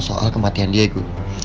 soal kematian diego